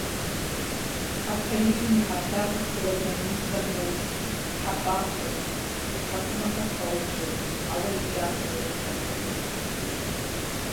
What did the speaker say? Хьэпарийм и хьэлъагъыр килограммищэм нос, хьэ пӀащэщ, и тхьэкӀумэхэр паупщӀырт, ауэ и кӀапэм еӀусэртэкъым.